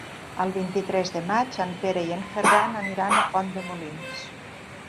El vint-i-tres de maig en Pere i en Ferran aniran a Pont de Molins.